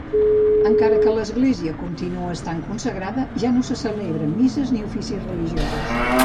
Encara que l'església continua estant consagrada, ja no se celebren misses ni oficis religiosos.